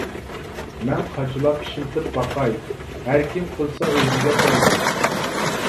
مەن قاچىلاپ ئىشلىتىپ باقاي ھەركىم قىلسا ئۆزىگە قىلىدۇ.